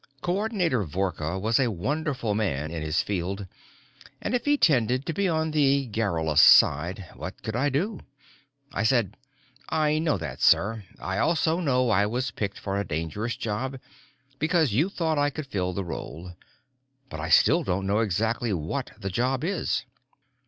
Coordinator Vorka was a wonderful man in his field, and if he tended to be on the garrulous side, what could I do? I said, "I know that, sir. I also know I was picked for a dangerous job because you thought I could fill the role. But I still don't know exactly what the job is."